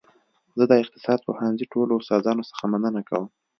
زه د اقتصاد پوهنځي ټولو استادانو څخه مننه کوم